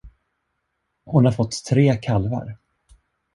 Hon har fått tre kalvar.